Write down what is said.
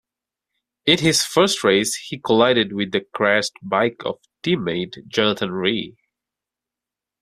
In his first race he collided with the crashed bike of team-mate Jonathan Rea.